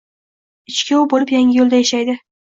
Ichkuyov bo‘lib Yangiyo‘lda yashaydi